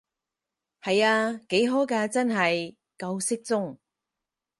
係啊，幾好㗎真係，夠適中